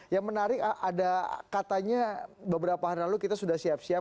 yang menarik ada katanya beberapa hari lalu kita sudah siap siap